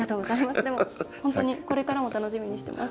でも、本当にこれからも楽しみにしてます。